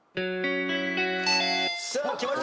さあきました